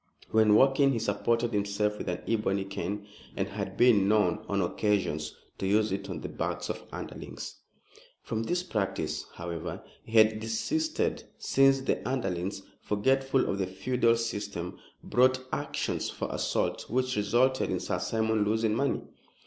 When walking he supported himself with an ebony cane, and had been known on occasions to use it on the backs of underlings. From this practice, however, he had desisted, since the underlings, forgetful of the feudal system, brought actions for assault, which resulted in Sir Simon losing money.